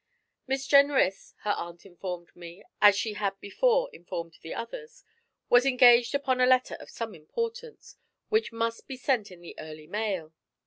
Miss Jenrys, her aunt informed me, as she had before informed the others, was engaged upon a letter of some importance, which must be sent in the early mail.